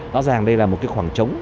rõ ràng đây là một cái khoảng trống